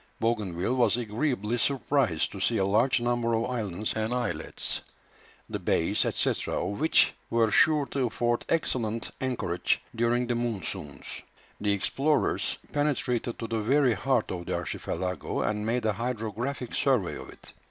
Bougainville was agreeably surprised to see a large number of islands and islets, the bays, &c., of which were sure to afford excellent anchorage during the monsoons. The explorers penetrated to the very heart of the archipelago, and made a hydrographic survey of it.